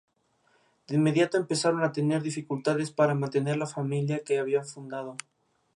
De inmediato empezaron a tener dificultades para mantener la familia que habían fundado.